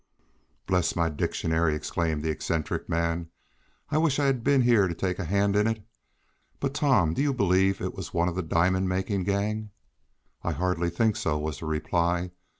"Bless my dictionary!" exclaimed the eccentric man. "I wish I had been here to take a hand in it. But, Tom, do you believe it was one of the diamond making gang?" "I hardly think so," was the reply.